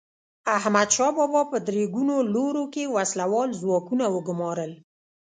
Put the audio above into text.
احمدشاه بابا په درې ګونو لورو کې وسله وال ځواکونه وګمارل.